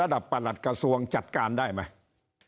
ประหลัดกระทรวงจัดการได้ไหม